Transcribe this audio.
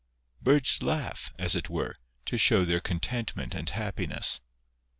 Birds laugh, as it were, to show their contentment and happiness.